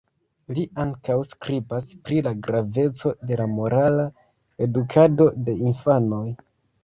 Li ankaŭ skribas pri la graveco de la morala edukado de infanoj.